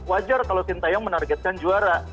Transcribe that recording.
wajar kalau sintayong menargetkan juara